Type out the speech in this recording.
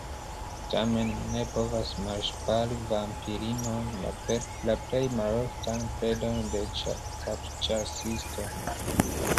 Tamen, mi ne povas malŝpari vampirinon, la plej maloftan predon de kapĉasisto.